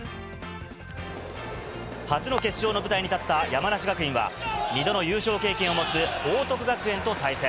初の決勝の舞台に立った山梨学院は、２度の優勝経験を持つ報徳学園と対戦。